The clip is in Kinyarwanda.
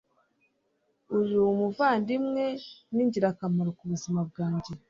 Urumuvandimwe w'ingirakamaro mu buzima bwanjye.